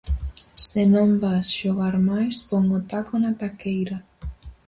Se non vas xogar máis, pon o taco na taqueira.